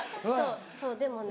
そうでもね